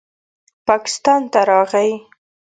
پاکستان ته راغے